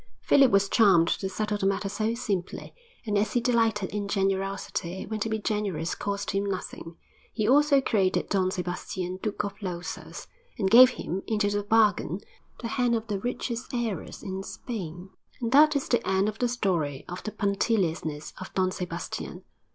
Philip was charmed to settle the matter so simply, and as he delighted in generosity when to be generous cost him nothing, he also created Don Sebastian Duke of Losas, and gave him, into the bargain, the hand of the richest heiress in Spain. And that is the end of the story of the punctiliousness of Don Sebastian.